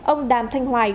ông đàm thanh hoài